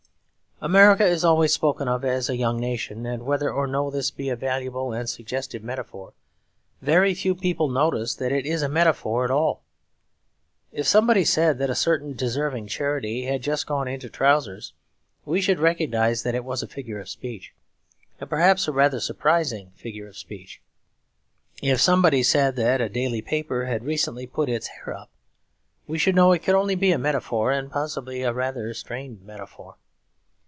America is always spoken of as a young nation; and whether or no this be a valuable and suggestive metaphor, very few people notice that it is a metaphor at all. If somebody said that a certain deserving charity had just gone into trousers, we should recognise that it was a figure of speech, and perhaps a rather surprising figure of speech. If somebody said that a daily paper had recently put its hair up, we should know it could only be a metaphor, and possibly a rather strained metaphor.